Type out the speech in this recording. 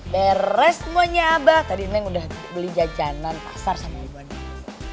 beres semuanya abah tadi neng udah beli jajanan pasar sama ibu ani